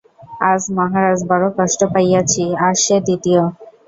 আজ মহারাজ, বড়ো কষ্ট পাইয়াছি, আজ সে– দ্বিতীয়।